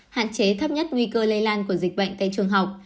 hạn chế thấp nhất nguy cơ lây lan của dịch bệnh tại trường học